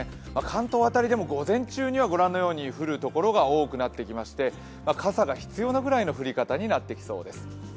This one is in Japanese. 関東辺りでも午前中には降る所が多くなってきまして傘が必要なぐらいの降り方になってきそうです。